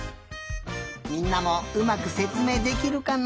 みんなもうまくせつめいできるかな？